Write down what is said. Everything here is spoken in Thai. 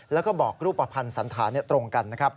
แล้วก็บอกรูปภัณฑ์สันธารตรงกันนะครับ